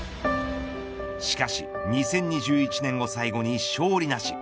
しかし２０２１年を最後に勝利なし。